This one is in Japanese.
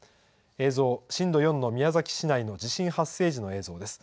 映像、震度４の宮崎市内の地震発生時の映像です。